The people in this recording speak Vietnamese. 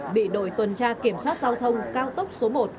bị đội tuần tra kiểm soát giao thông cao tốc số một